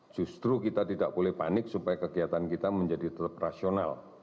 justru kita tidak boleh panik supaya kegiatan kita menjadi tetap rasional